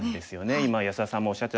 今安田さんもおっしゃってた